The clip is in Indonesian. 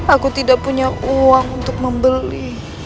aku tidak punya uang untuk membeli